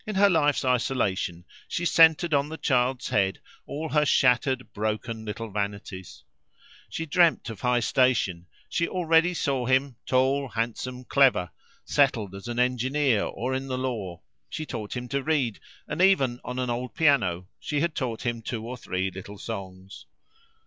In her life's isolation she centered on the child's head all her shattered, broken little vanities. She dreamed of high station; she already saw him, tall, handsome, clever, settled as an engineer or in the law. She taught him to read, and even, on an old piano, she had taught him two or three little songs.